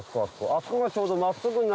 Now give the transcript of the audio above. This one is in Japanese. あそこがちょうど。